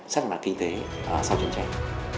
xét ngặt kinh tế sau chiến tranh